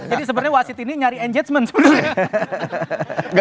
jadi sebenarnya wasit ini nyari enjajmen sebenarnya